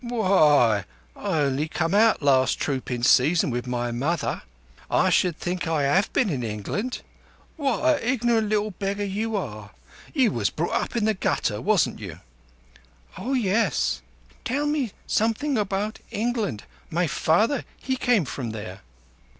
"W'y, I only come out last troopin' season with my mother. I should think I 'ave been in England. What a ignorant little beggar you are! You was brought up in the gutter, wasn't you?" "Oah yess. Tell me something about England. My father he came from there."